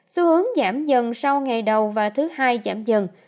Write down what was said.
xu hướng giảm dần sau ngày đầu và thứ hai giảm dần